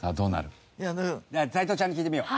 斎藤ちゃんに聞いてみよう。